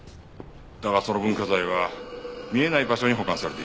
だがその文化財は見えない場所に保管されていた。